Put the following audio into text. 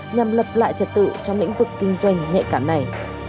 nhằm lập lại trật tự trong lĩnh vực kinh doanh nhạy cảm này